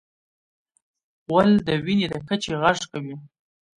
غول د وینې د کچې غږ کوي.